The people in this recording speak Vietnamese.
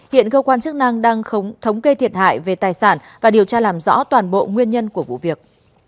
hiện cơ quan chức năng đang thống kê thiệt hại về tài sản và điều tra làm rõ toàn bộ nguyên nhân của vụ việc